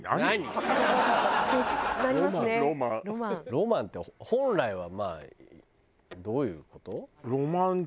ロマンって本来はまあどういう事？